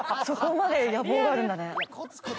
そこまで野望があるんだね。